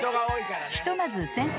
［ひとまず先生